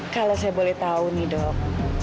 kalau saya boleh tahu nih dok